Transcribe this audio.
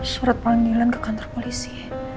surat panggilan ke kantor polisi